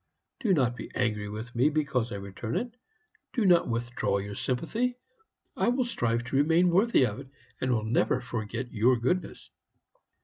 Do not be angry with me because I return it. Do not withdraw your sympathy; I will strive to remain worthy of it, and will never forget your goodness.'